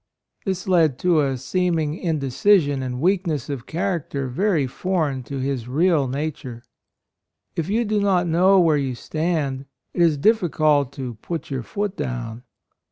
This led to a seeming inde cision and weakness of character very foreign to his real nature. If you do not know where you stand, it is difficult to "put your foot down."